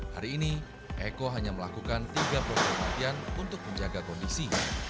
hari ini eko hanya melakukan tiga program latihan untuk menjaga kondisi